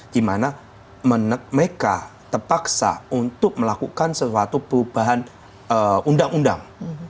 dimana mereka terpaksa untuk melakukan sesuatu perubahan undang undang